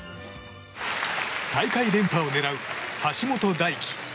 大会連覇を狙う橋本大輝。